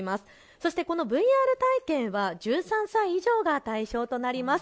そしてこのＶＲ体験は１３歳以上が対象となります。